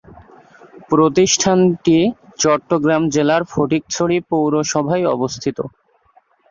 প্রতিষ্ঠানটি চট্টগ্রাম জেলার ফটিকছড়ি পৌরসভায় অবস্থিত।